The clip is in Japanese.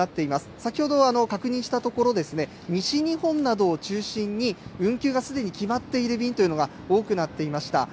先ほど確認したところ、西日本などを中心に、運休がすでに決まっている便というのが多くなっていました。